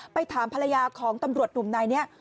ไปถามภรรยาของตำรวจหนุ่มในนั้น